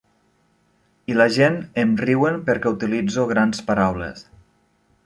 I la gent em riuen perquè utilitzo grans paraules.